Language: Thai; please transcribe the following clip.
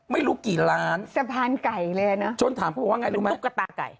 ไม่รู้กี่ล้านสะพานไก่เลยนะจนถามเขาบอกว่าไงรู้ไหมตุ๊กตาไก่